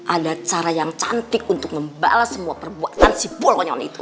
ada cara yang cantik untuk ngembalas semua perbuatan si bolonyon itu